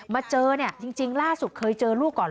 มาเจอเนี่ยจริงล่าสุดเคยเจอลูกก่อน